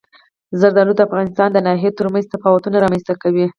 زردالو د افغانستان د ناحیو ترمنځ تفاوتونه رامنځ ته کوي.